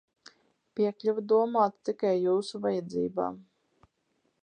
Piekļuve domāta tikai Jūsu vajadzībām!